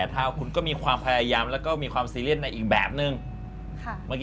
พี่มีคนหนึ่งมีคนแบบต้องสกลาด